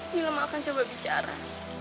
milam akan coba bicara